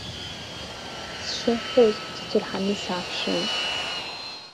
Сшыҳәҳәоз, сцәырҳаны сааԥшит.